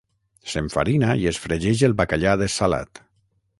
s'enfarina i es fregeix el bacallà dessalat